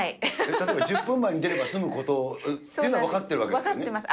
例えば１０分前に出れば済むことっていうのは分かっているわけですよね。